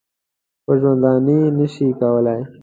په ژوندوني نه شي کولای .